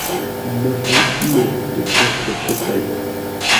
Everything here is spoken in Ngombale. Məfeʼ mê təcər pə fə̌r pêi.